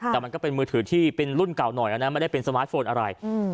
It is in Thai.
แต่มันก็เป็นมือถือที่เป็นรุ่นเก่าหน่อยนะไม่ได้เป็นสมาร์ทโฟนอะไร